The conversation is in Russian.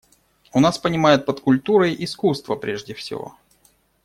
У нас понимают под «культурой» искусство прежде всего.